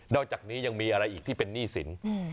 อกจากนี้ยังมีอะไรอีกที่เป็นหนี้สิน